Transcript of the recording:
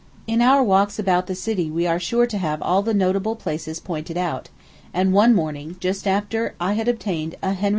In our walks about the city we are sure to have all the notable places pointed out; and one morning, just after I had obtained a Henry IV.